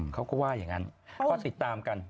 เขาก็ว่าอย่างนั้นก็ติดตามกัน